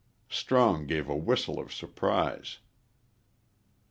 Strong gave a whistle of surprise.